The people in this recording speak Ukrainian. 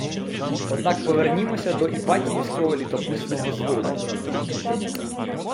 Однак повернімося до Іпатіївського літописного зводу